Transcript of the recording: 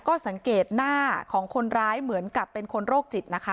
ก็สังเกตหน้าของคนร้ายเหมือนกับเป็นคนโรคจิตนะคะ